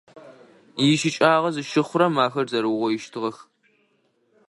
ИщыкӀагъэ зыщыхъурэм ахэр зэрэугъоищтыгъэх.